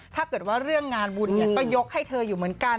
ถ้าเกิดว่าเรื่องงานบุญก็ยกให้เธออยู่เหมือนกัน